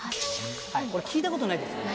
これ聞いたことないですよね。